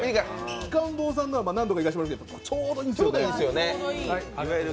鬼金棒さんは何度か行かせてもらってますけど、ちょうどいいんですよね。